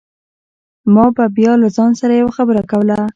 ما به بيا له ځان سره يوه خبره کوله.